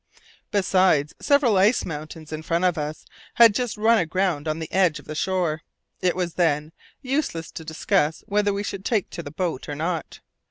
Besides, several ice mountains, in front of us, had just run aground on the edge of the shore. It was, then, useless to discuss whether we should take to the boat or not.